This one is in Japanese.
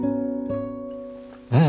うん！